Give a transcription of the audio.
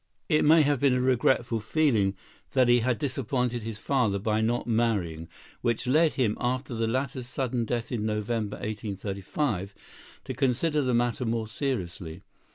] It may have been a regretful feeling that he had disappointed his father by not marrying which led him, after the latter's sudden death in November, 1835, to consider the matter more seriously.